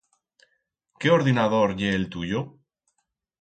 Qué ordinador ye el tuyo?